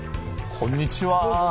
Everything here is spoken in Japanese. こんにちは！